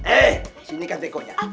eh sini kan tekonya